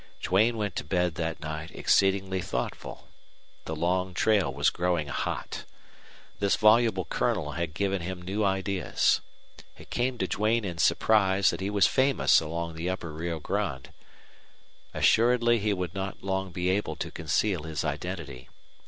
Duane went to bed that night exceedingly thoughtful. The long trail was growing hot. This voluble colonel had given him new ideas. It came to Duane in surprise that he was famous along the upper Rio Grande. Assuredly he would not long be able to conceal his identity.